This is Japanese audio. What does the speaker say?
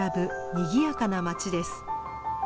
にぎやかな町です。